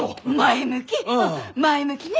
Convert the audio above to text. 前向きね！